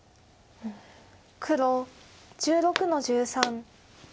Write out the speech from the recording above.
黒１６の十三。